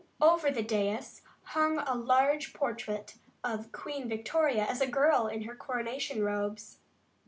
Over the dais hung a large portrait of Queen Victoria as a girl in her coronation robes.